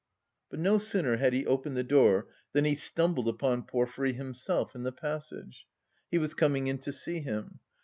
But no sooner had he opened the door than he stumbled upon Porfiry himself in the passage. He was coming in to see him.